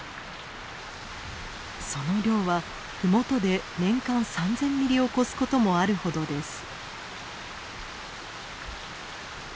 その量は麓で年間３，０００ミリを超すこともあるほどです。